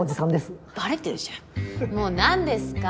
もう何ですか？